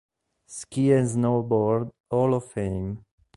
Ski and Snowboard Hall of Fame".